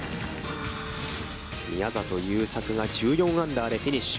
宮里優作が１４アンダーでフィニッシュ。